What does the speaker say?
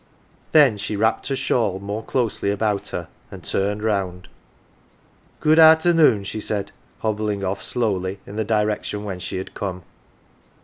Then she wrapped her shawl more closely about her, and turned round. " Good arternoon !" she said, hobbling off slowly in the direction whence she had come.